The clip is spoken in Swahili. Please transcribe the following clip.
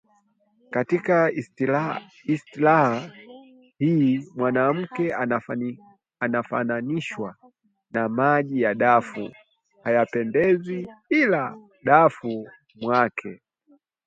Katika istiara hii, mwanamke anafananishwa na maji ya dafu, hayapendezi ila dafuni mwake